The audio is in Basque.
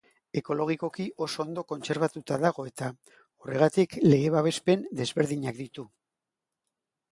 Ekologikoki oso ondo kontserbatuta dago eta, horregatik, lege-babespen desberdinak ditu.